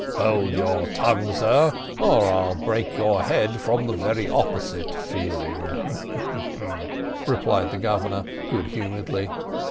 "Hold your tongue, sir, or I'll break your head from the very opposite feeling," replied the Governor, good humouredly.